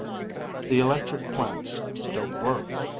The electric plants still work.